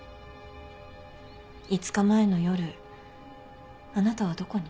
５日前の夜あなたはどこに？